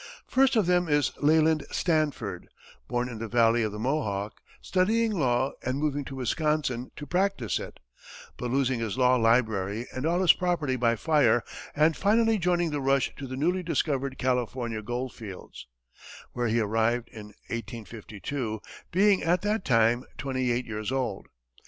First of them is Leland Stanford, born in the valley of the Mohawk, studying law, and moving to Wisconsin to practise it, but losing his law library and all his property by fire, and finally joining the rush to the newly discovered California gold fields, where he arrived in 1852, being at that time twenty eight years old.